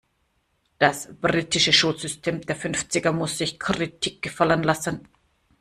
Das britische Schulsystem der Fünfziger muss sich Kritik gefallen lassen.